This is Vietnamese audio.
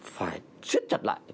phải suýt chặt lại